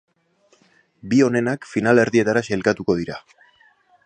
Bi onenak finalerdietara sailkatuko dira.